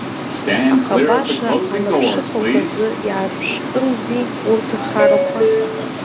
Аха баша анаԥшыхақә азы иаарԥштәымзи урҭ рхарақәа.